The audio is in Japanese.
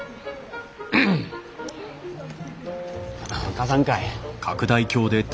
貸さんかい。